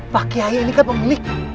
pak kiai ini kan pemilih